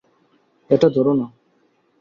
এটা ধোরো না।